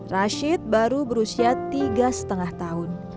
rashid baru berusia tiga lima tahun